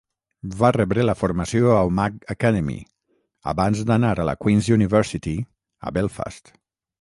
Va rebre la formació a Omagh Academy, abans d'anar a la Queen's University, a Belfast.